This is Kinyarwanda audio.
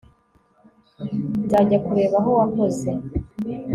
nzajya kureba aho wakoze